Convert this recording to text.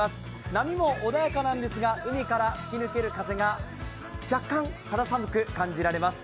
波も穏やかなんですが、海から吹き抜ける風が若干肌寒く感じられます。